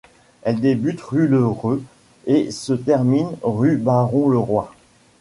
Elle débute rue Lheureux et se termine rue Baron Le Roy.